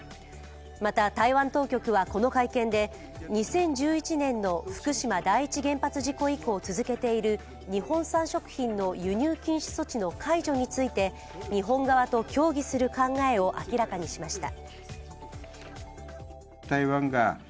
また、台湾当局はこの会見で、２０１１年の福島第一原発事故以降続けている日本産食品の輸入禁止措置の解除について日本側と協議する考えを明らかにしました。